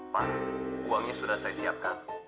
pak uangnya sudah saya siapkan